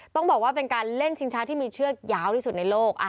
ต้องบอกว่าเป็นการเล่นชิงช้าที่มีเชือกยาวที่สุดในโลก